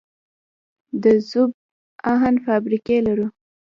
د ذوب اهن فابریکې لرو؟